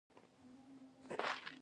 کاذبې پوهې باید ختمې شي.